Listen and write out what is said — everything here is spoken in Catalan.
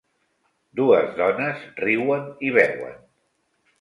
Dues dones riuen i beuen.